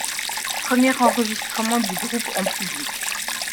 Premier enregistrement du groupe en public.